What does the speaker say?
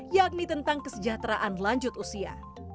yakni tentang kesejahteraan lanjut usia